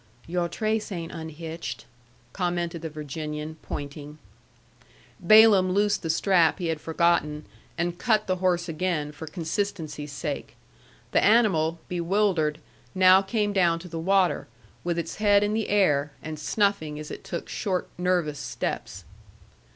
"Your trace ain't unhitched," commented the Virginian, pointing. Balaam loosed the strap he had forgotten, and cut the horse again for consistency's sake. The animal, bewildered, now came down to the water, with its head in the air, and snuffing as it took short, nervous steps.